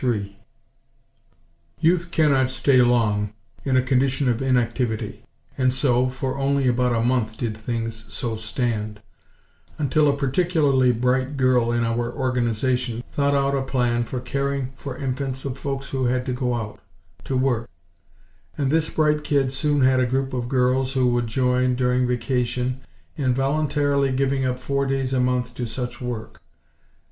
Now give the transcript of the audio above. III Youth cannot stay for long in a condition of inactivity; and so, for only about a month did things so stand, until a particularly bright girl in our Organization, thought out a plan for caring for infants of folks who had to go out, to work; and this bright kid soon had a group of girls who would join, during vacation, in voluntarily giving up four days a month to such work.